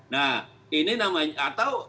nah ini namanya atau